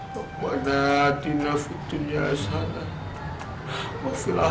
kusyuk amat doa lu